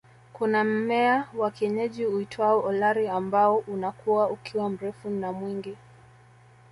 Kuna mmea wa kienyeji uitwao Olari ambao unakua ukiwa mrefu na mwingi